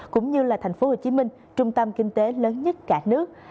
cũng như là tp hcm trung tâm kinh tế lớn nhất cả nước